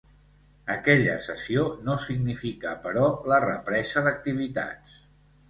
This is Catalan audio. Aquella sessió no significà, però, la represa d'activitats.